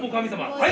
はい！